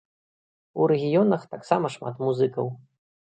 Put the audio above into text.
У рэгіёнах таксама шмат музыкаў!